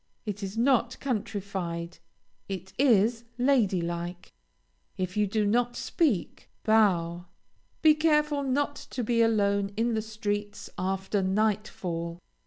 It is not countrified, it is lady like. If you do not speak, bow. Be careful not to be alone in the streets after night fall.